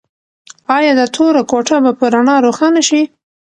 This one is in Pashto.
ایا دا توره کوټه به په رڼا روښانه شي؟